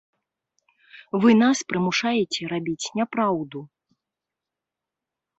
Вы нас прымушаеце рабіць няпраўду.